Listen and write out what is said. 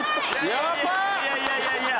いやいやいやいや。